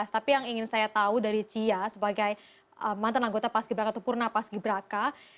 tapi yang ingin saya tahu dari cia sebagai mantan anggota pas ki braka tupurna pas ki braka